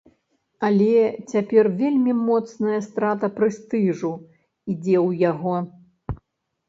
Але цяпер вельмі моцная страта прэстыжу ідзе ў яго!